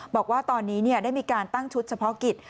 บอกว่าตอนนี้ได้มีการตั้งชุดเฉพาะกิจ